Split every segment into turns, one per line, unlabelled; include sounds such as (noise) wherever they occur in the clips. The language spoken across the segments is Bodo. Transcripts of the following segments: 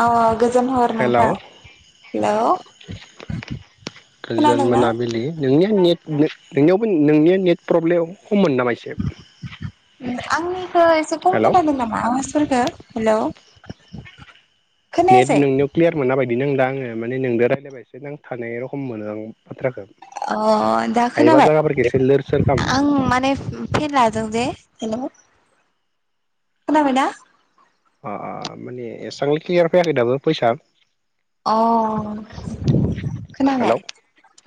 औ गोजोन हर
हेलौ
नोंथां हेलौ (inaudible)
गोजोन
खोनादोंना?
मोनाबिलि नोंनिया नेट नेट नोंनियावबो नोंनिया नेट प्रब्लेम खममोन नामा एसे
आंनिखौ एसे खम
हेलौ
खोनादों नामा आवाजफोरखो हेलौ?
नेट
खोनायासै
नोंनियाव क्लियार मोना बायदि नोंदा आंङो माने नोंदों रायजलायबा एसे नांथानाय रखम मोनो आं बाथ्राखौ
अ दा
हायोबा जायगाफोरखौ
खोनाबाय
एसे लोर सोर खालाम
आं माने फेर लादों दे हेलौ खोनाबायना
अ अ माने एसबांलाय क्लियार फैयाखै दाबो भयसा
अ खोनाबाय
हेलौ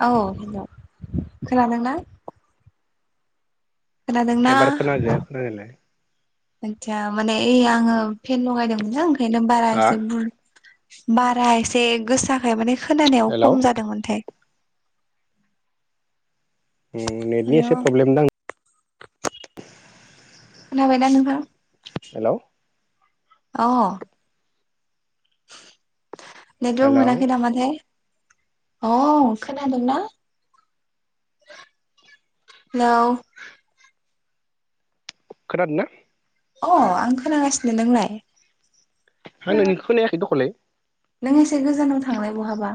औ हेलौ खोनादोंना खोनादोंना
एबार खोनादो खोनानायालाय
आदसा माने ओइ आङो पेन लगायदोंमोनल ओंखायनो बारा
हा
एसे बुर बारा एसे गोसाखाय माने खोनानायाव
हेलौ
खम जादोंमोनथाय
नेटनि
हेलौ
एसे प्रब्लेम दां
खोनाबाय दा नोंथां
हेलौ
अ नेटबो
हेलौ
मोनाखै नामाथाय अ खोनादोंना हेलौ
खोनादों ना
अ आं खोनागासिनो नोंलाय
आं नोंनिखौ खोनायाखै दखलै
नों एसे गोजानाव थांलाय बहाबा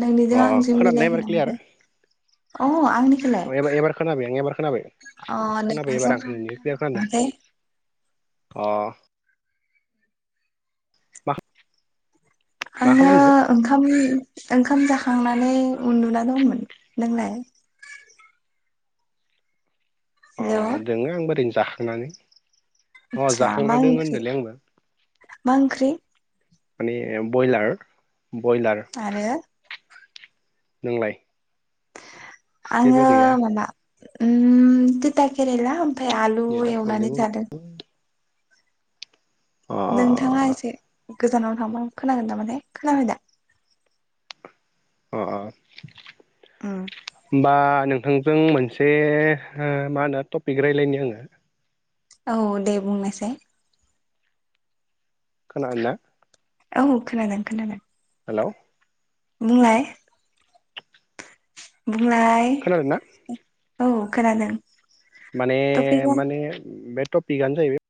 नोंनिजों
अ
आंजों
खोनादोंना
मिलायखो
एबार क्लियार?
नामाथाय अ आंनिखौलाय
एबा एबार खोनाबाय आं एबार खोनाबाय
अ
खोनाबाय एबार
नोंथांजों
आं नोंनिखौ क्लियार खोनादों
(unintelligible)
अ मा मा
आङो
खालामदो
ओंखाम ओंखाम जा खांनानै उन्दुना दंमोन नोंलाय?
अ
हेलौ
दोङो आंबो ओरैनो जाखांनानै। अ
आदसा मा
जाखांना दं
ओंख्रि
होनदोंलै आंबो
मा ओंख्रि
माने बयलार बयलार
आरो
नोंलाय जेबो
आङो
गैया
माबा उम तिथा केरेला औमफाय आलु
नेटआ प्रब्लेम
एवनानानै जादों
अ
नोंथाङा एसे गोजानावनो थांबा खोनागोन नामाथाय खोनाबाय दा
अ अ
ओम
होमबा नोंथांजों मोनसे मा होनो टपिक रायज्लायनि आङो
औ दे बुंनायसाय
खोनादोंना
औ औ खोनादों खोनादों
हेल'
बुंलाय बुंलाय
खोनादों ना
औ खोनादों
माने
टपिकआ
माने बे टपिकानो जाहैबाय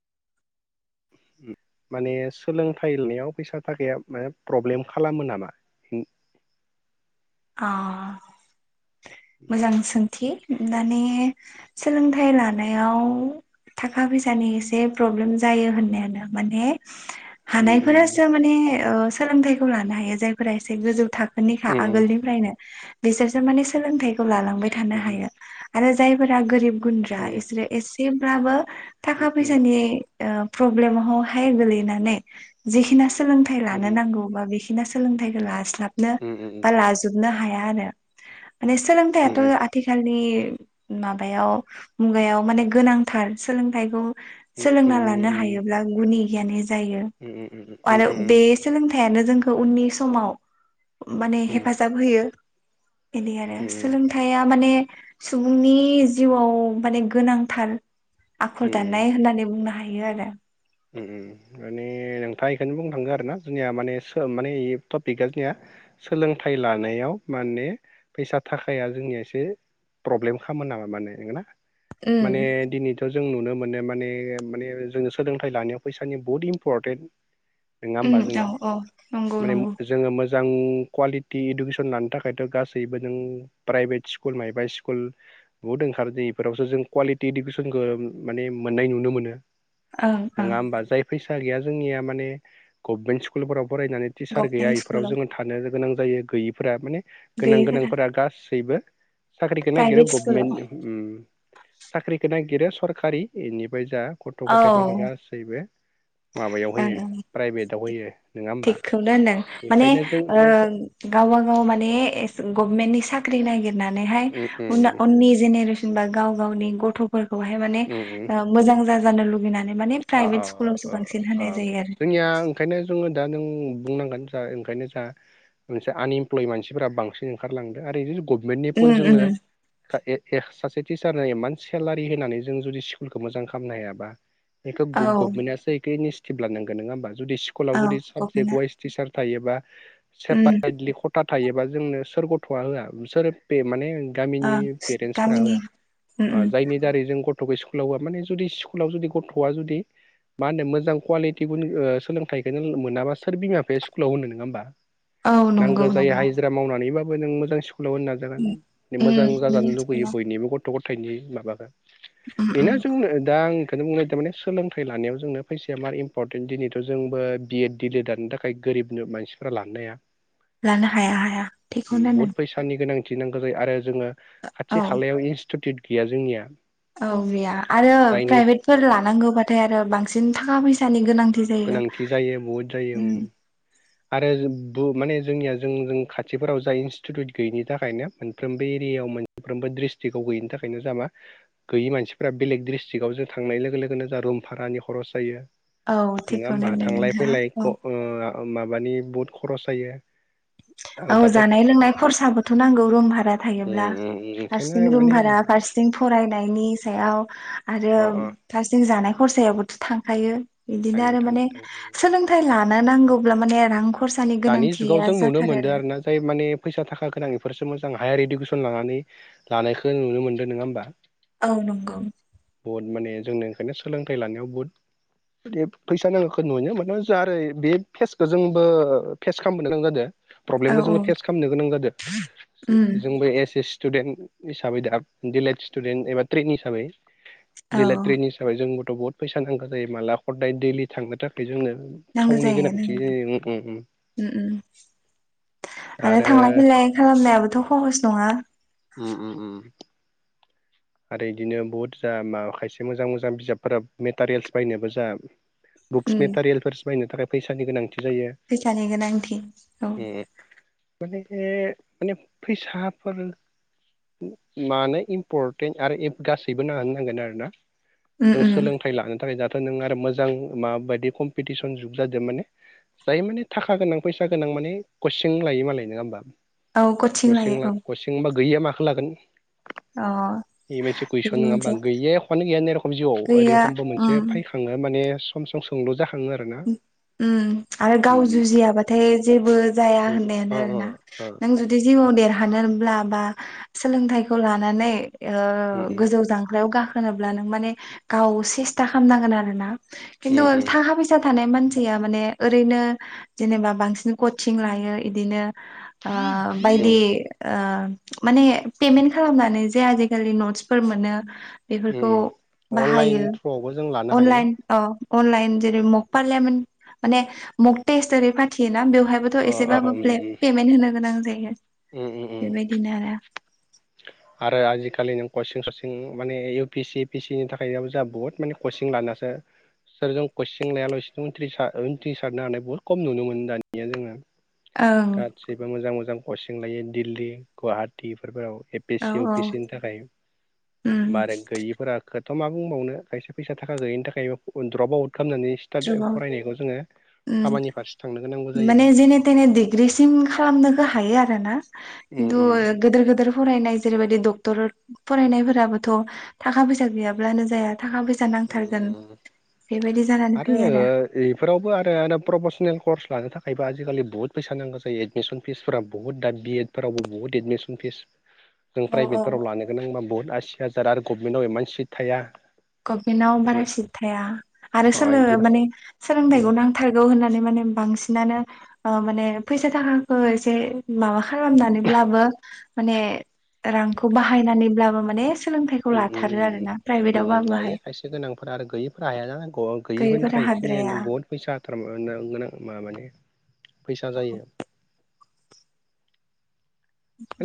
उ माने सोलोंथाइ लानायाव फैसा थाखाया माने प्रब्लेम खालामो नामा
अ मोजां सोंथि मानि सोलोंथाइ लानायाव थाखा फैसानि एसे प्रब्लेम जायो होननायानो माने हानायफोरासो
उम
माने सोलोंथाइखौ लानो हायो जायफोरा एसे गोजौ था खोनिखा
उम
आगोलनिफ्रायनो बिसोरसो माने सोलोंथाइखौ लालांबाय थानो
उम
हायो आरो जायफोरा गोरिब गुन्द्रा
उम
इसोरो एसेब्लाबो थाखा
उम
फैसानि ओ प्रब्लेमावहाय गोलैनानै जिखिना सोलोंथाइ
उम
लानो नांगौ बा बे इना सोलोंथाइखौ लास्लाबनो
उम
बा लाजोबनो हाया आरो माने सोलोंथायाथ
उम उम
आथिखालनि माबायाव मुगायाव माने गोनांथार सोलोंथाइखौ सोलोंना लानो
माने
हायोब्ला गुनि गियानि जायो आरो बे सोलोंथायानो जोंखौ उननि समाव माने हेफाजाब होयो बेनि आरो या माने सुबुंनि जिउआव माने गोनांथार आखल दानाय होननानै बुंनो हायो आरो
ओ ओ ओ माने नोंथां बेखौनो बुंनो थांगो आरो ना जोंनिया माने सोम माने टपिका जोंनिया सोलोंथाइ लानायाव माने फैसा थाखाया जोंनिया एसे प्रब्लेम खामोन नामा माने नंगोना
उम
माने दिनैथ जों नुनो मोनो माने माने जों सोलों लानायाव फैसानि बहुथ इम्परटेन नङा
उम
होमबा जोङो
औ औ नंगौ
माने
नंगौ
जोङो मो मोजां कुवालिटि इडुकेसन लानो थाखायथ गासैबो जों प्राइभेट स्कुल मायबा स्कुल बुहुद ओंखारो दे इफोरावसो जों कुवालिटि इडुकेसनखौ माने मोननाय नुनो मोनो
ओं ओं
नङा होमबा जाय फैसा गैया जोंनिया माने गभमेन्ट स्कुलफोराव फरायनानै टिचार गैया
गभमेन्ट
इफोराव
स्कुलाव
जोङो थानो गोनां जायो गैयिफोरा माने
बे
गोनां गोनांफोरा गासैबो साख्रिखौ नागिरो
प्राइभेट स्कुलाव
गभमेन्ट ओम साख्रिखौ नागिरो सरकारि इनिफाय जा गथ
औ
गथाइफोरखौ
ओं
गासैबो माबायाव होयो
ओं
प्राइभेटाव होयो नङा होमबा
थिगखौनो होनदों माने
बेखायनो जों
ओ गावबा गाव माने गभमेन्टनि साख ख्रि नागिरनानैहाय
उम
उना
उम
उननि जेनेरेसन बा गाव गावनि गथफोर खौहाय माने
उम उम
ओ मोजां जानो लुुबैनानै मान प्राइभेट स
ओ ओम जोङिया ओंखायनो जोङो दा नों बुंनांगोन जा ओंखायनो जा मोनसे आनइमप्लय मानसिफ्रा बांसिन ओंखारलांदों आरो इदिनो गभनमेन्टनि फुन
उम
जोंनो
उम
(unintelligible) सासे टिचारा एमान सेलारि होनानै जों जुदि स्कुलखौ मोजां खालामनो हायाबा बेखौ
औ
ग गभमेन्टआसो इखो इनिसिटिभ लानांगोन नोङा होमब जुदि स्कुलाव
औ
जुदि साबजेट
गभमेन्टआ
वाइस टिचार थायोबा
उम
सेपारेटलि खथा थायोबा जोंनो सोर गथआ होया सोर बे माने
ओ
गामिनि पेरेन्सफ्राबो
गामिनि उम
बा
उम
जायनि दारै जों गथ थखौ स्कुलाव होया माने जुदि स्कुलाव जुदि गथआ जुदि- मा होनो मोजां कुवालिटि गुन ओ सोलोंथाइखो नों मोनाबा सोर बिमा बिफाया स्कुलाव होनो नोङा होमबा।
औ
नांगो
नंगौ
जायो
नंगौ
हाजिरा मावनानैबाबो नों मोजां। स्कुलाव होनो नाजागोन
उम
मोजां
उम
जाजानो लुगैयो बयनिबो गथ गथायनि माबाफ्रा।
उम उम
बेना जोंनो दा आं खोनो बुंनो नागेरदों माने। सोलोंथाइ लानायाव जोंनो फैसाया मार इम्परटेन दिनैथ जोंबो B Ed D El Ed लानो थाखाय गोरिब नो मान फ्रा लानो हाया
लानो हाया हाया
ओ
थिगखौनो
बहुत
होनदों
फैसानि गोनां थिनांगौ जायो आरो जोङो
औ
खाथि खालायाव इनस्टिटिउट गैया जोंनिया।
औ गैया आरो
जायनि
प्राइभेटफोर लानांगौबाथाय आरो बांसिन थाखा फैसानि गोनां। जायो
गोनांथि जायो बहुद जायो
ओं।
आरो जेबबो माने जोंनिया जों जों खाथिफोराव जाय इनस्टिटिउट गैयिनि थाखायनो मोनफ्रोमबे बेयाव मोनफ्रोमबो ड्रिस्टिकआव गैयैनि थाखायनो जा मा गैयै मानसिफ्रा बेलेग डिस्ट्रिकआव जों थांनाय लोगो लोगोनो जा रुम भारानि खरस जायो
औ
नोङा
थिगखौनो
होमबा
होनदों
थांलाय
नोंथाङा
फैलाय ख
औ
ओ। अ माबानि बहुत खरस जायो।
औ
आरो दाथ'
जानाय लोंनाय खरसाबोथ नांगौ रुम भारा थायोब्ला।
ओंखायनो
फारसिथिं रुम
माने
भारा
अ
फारसिथिं फराय। नायनि सायाव आरो
अ
फारसेथिं जानाय खरसायावबोथ थांखायो। बिदिनो
थाङो
आरो
थाङो
माने
थाङो
सोलोंथाइ लाना नांगौब्ला माने रां खरसानि गोनांथिया जा।
नों मोनदो आरो ना जाय माने फैसा थाखा गोनां। फोरसो मोजां हायार इदुकेसन लानानै लानायखो नुनो मोनदो नङा होमबा।
औ नंगौ।
बहुत माने जोंनो ओंखायनो सोलोंथाइ लानायाव बहुत। बे फैसा नांगोखौ नुनो माना जा ओरै बे फेसखो जोंबो। फेस खामबोनो गोनां जादो
औ
प्रब्लेमखो
औ
जोङो फेस खामनो गोनां जादो
उम
जोंबो एस एस। स्टुडेन्ट हिसाबै दा डिलेद स्टुडेन्ट एबा ट्रेन हिसाबै।
औ
दिलेद ट्रेन हिसाबै जोंबोथ' बहुत फैसा नांगो जायो। माला खदाय दैलि थांनो थाखाय जोङो।
नांगौ
थावनि
जायो
गोनांथि
नांगौ
जायो उम उम।
उम उम आरो थांलाय फैलाय खालामनायाबोथ' खहस नङा।
उम उम उम। आरो इदिनो बहुत जा मा खायसे मोजां मोजां बिजाबफोरा मेटारियेल्स बायनोबो जा बुक्स
उम
मेटारियेल्सफोर बायनो थाखाय फैसानि गोनां। जायो
फैसानि गोनांथि
उम माने। बे माने फैसाफोर मानो इम्पर्ट। तेन आरो एप गासैबो नां नांगोन आरोना जों
उम
सोलोंथाइ लानो थाखाय नों आरो मोजां माबायदि कम्पिटिसन जुग जादो माने। जायो माने थाखा गोनां फैसा गोनां माने कचिं लायो मालाय नङा होमबा।
औ
कचिं
लायो
ला
औ
कचिंबा गैयिया माखो लागोन।
अ।
बे मोनसे कुइसन
बेबो
नङा होमबा
मोनसे
गोयैया एखानो गैयानो रखम जिउआव
गैया
ओरैखमबो मोनसे
उम
फायखाङो माने। सम सम सोंलु जाखाङो आरोना।
उम आरो गाव जुजियाबाथाय जेबो जाया होननायानो आरोना नों जुदि जिउआव देरहा हानोनब्ला बा सोलोंथाइखौ लानानै ओ गोजौ जांख्लायाव गाख होनोब्ला नों माने गाव सेस्था खामनांगोन आरोना खिन्थु थाखा फै थानाय मानसिया माने ओरैनो जेनेबा बांसिन कटचिं लायो इदिनो। आ बायदि। आ माने पेमेन्ट खालामनानै जे आजिखालि नट्सफोर मोनो। बेफोरखौ
अनलाइन
बाहायो
थ्रुआवबो जों लानो
अनलाइन अ। अनलाइन जेरै मक पार्लियामेन्ट माने मक टेस्ट ओरै फाथियोना बे बेवहायबोथ' एसेबाबो प्ले
हायो
पेमेन्ट होनो गोनां जायो। बेबायदिनो आरो।
आरो आजिखालि नों कचिं सचिं माने U P C A P C नि थाखाय जोहा बहुत माने कचिं लाना सो सोरजों कइचिं लायाल'सेनो उनथ्रिस उनथ्रिसारनो हानाय बुहुत खम नुनो मोन दानिया जोङो।
ओं
गासिबो मोजां मोजां कचिं लायो दिल्ली गुवाहाटि इफोरफोराव
औ
बेसे इउ
औ
पि एस सि नि थाखाय
उम
मारै गैयिफोरा खोथ थ' मा बुंबावनो खायसे फैसा थाखा गैयैनि थाखायबो द्रप आउट खामनानै स्टार्ट
द्रुबाव
फरायनायखौ जोङो।
उम
खामानि फारसे थांनो गोनांगौ जायो
माने जेने तेने डिग्रिसिम खालामनोखो हायो आरो ना।
उम उम
खिन्टु गोदोर गोदोर फरायनाय जेरैबायदि डक्टर फरायनायफोराबोथ' थाखा फैसा गैयाब्लानो जाया। थाखा फैसा नांथारगोन
उम उम
बेबायदि जानानै
ओ आरो
फैयो
आ इफोरावबो आरो प्रपसनेल कर्स लानो थाखायबो आजिखालि बुहुत फैसा नांगौ जायो एडमिसन फिसफोरा बहुत दा बिएद फोरावबो बुहुत एदमिसन फिस जों
आरो
प्राइभेटफोराव लानो गोनांबा बुहुत आसि हाजार आरो गभमेन्टाव इमान सिट थाया।
गभमेन्टआव बारा सिट थाया आरो सोलो
बिदि
माने सोलोंथाइखौ नांथारगौ होननानै माने बांसिनानो ओ माने फैसा थाखाखो एसे माबा खालामनानैब्लाबो माने रांखौ बाहायनानैब्लाबो माने सोलोंथाइखौ लाथारो आरोना प्राइभेटाव
लायो खायसे गोनांफोर आरो गैयैफोरा हाया गर गैयिफोरनि
गैयैफोरा
थाखाय इखिनियानो
हाद्राया
बहुत फैसा (unintelligible) फैसा जायो।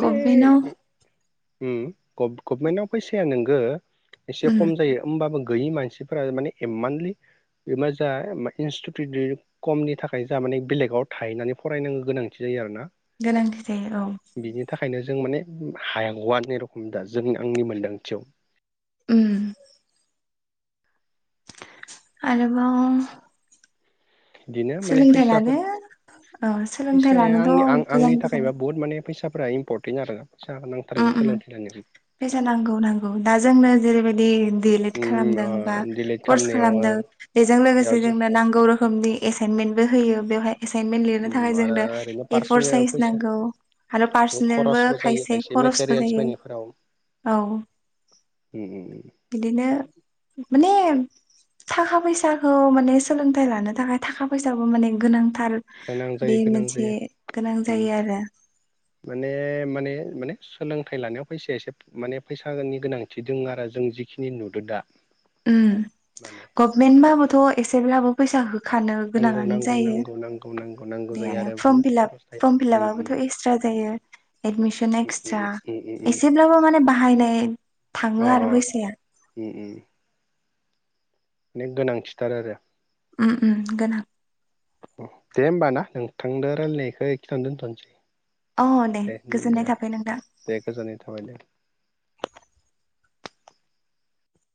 गभमेन्टयाव
ओम गभ गभमेन्ट याव फैसाया नोंगो एसे
उम
खम जायो होमबाबो। गैयि मानसिफोरा माने इममानलि बे मा जा इनस्टिटिउट खमनि थाखाय जा माने बेलेगाव थाहैनानै फरायनांगौ गोनांथि जायो आरो ना।
गोनांथि जायो औ
बिनि थाखायनो जों माने हाया गवा रखम दा जों आंनि मोनदांथियाव
उम आरोबाव
बिदिनो माने
सोलोंथाइ लानो
फैसाफोर
औ सोलोंथाइ
फैसाया
लानोथ'
आंनि आंनि
गोजान गोजान
थाखायबा बुहुद माने फैसा फ्राय इम्परटेन्ट आरो फैसा
उम
नांथारगौ
उम
सोलोंथाय लायनाय।
फैसा नांगौ नांगौ दा जोंनो जेरैबायदि डि एल एड
उम
खालामदों
ओ
बा
दिलेट
कर्स
खालामनायाव ओ
खालामदों। बेजों
बेयाव
लोगोसे
जों
जोंनो नांगौ रोखोमनि एसाइनमेन्टबो होयो बेवहाय। एसाइनमेन्ट लिरनो थाखाय
उम आरो
जोंनो
ओरैनो
ए फर
पार्सनेल
साइस
फैसा
नांगौ आरो
बहुत
पार्सनेलबो
खरसबो जायो
खायसे खरसबो
मेटेरियेल्स
जायो
बायनायफोराव
औ
उम उम
बिदिनो माने थाखा फैसाखौ माने सोलोंथाइ लानो थाखाय थाखा फैसाबो माने गोनां। थार
गोनां
बे
जायो गोनां
मोनसे
जायो
गोनां जायो आरो।
माने माने माने सोलोंथाइ लानायाव फैसाया एसे माने फैसाानि गोनांथि दं आरो जों जिखिनि नुदों दा।
उम
माने
गभमेन्टबाबोथ' एसेब्लाबो फैसा हो
नांगौ नांगौ नांगौ नांगौ नांगौ
बे
जायो आरो
फर्म
बुहुत
फिलाप
खरसा
फर्म फिलापाबोथ'
थायो।
एक्सट्रा जायो एदमिसन एक्सट्रा
उम उम उम
एसेब्लाबो माने बाहायनाय।
अ
थाङो आरो फैसाया।
मानेे गोनांथिथार आरो।
उम उम गोनां।
दे होमबा ना नोंथांजों रायलायनायखौ खिथानो दोनथ'नोसै।
अह दे गोजोननाय थााबै नोंथां।
दे गोजोननाय थाबाय दे